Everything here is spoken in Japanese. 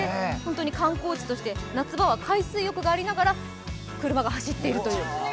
観光地として、夏場は海水浴場がありながら車が走っているという。